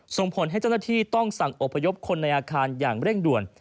ส่งผลให้เจ้าหน้าที่ต้องสั่งอบพยพคนในอาคารอย่างเร่งด่วน